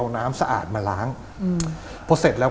บางคนสันนิษฐานว่าแกก็บอกก็จำไม่ได้เท่านั้นแล้ว